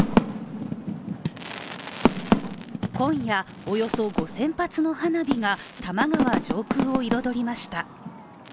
今夜、およそ５０００発の花火が多摩川上空を彩りました。